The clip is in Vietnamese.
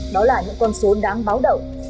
đó là những con số đáng báo đậu